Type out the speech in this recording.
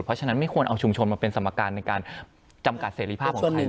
เพราะฉะนั้นไม่ควรเอาชุมชนมาเป็นสมการในการจำกัดเสรีภาพของใคร